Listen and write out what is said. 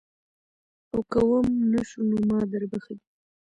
او که وم نه شو نو ما دربخلي.